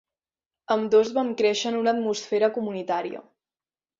Ambdós vam créixer en una atmosfera comunitària.